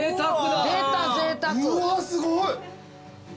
うわすごい。